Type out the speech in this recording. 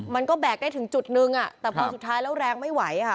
มันก็แบกได้ถึงจุดนึงอ่ะแต่พอสุดท้ายแล้วแรงไม่ไหวค่ะ